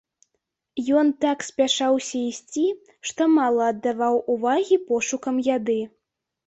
Ён так спяшаўся ісці, што мала аддаваў увагі пошукам яды.